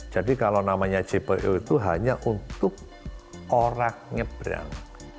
jadi kalau namanya jpu itu hanya untuk orang ngebrang